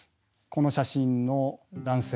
この写真の男性